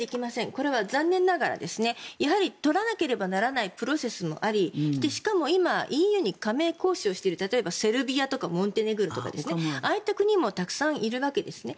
これは残念ながらやはり取らなければならないプロセスもありしかも今、ＥＵに加盟交渉しているセルビアとかモンテネグロとかああいった国もたくさんいるわけですね。